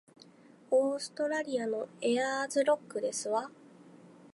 オーストラリアのエアーズロックですわ